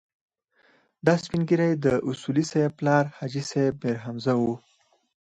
دا سپين ږيری د اصولي صیب پلار حاجي صیب میرحمزه و.